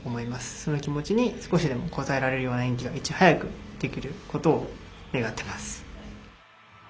その気持ちに少しでもこたえられるような演技がいち早くできることを願っています。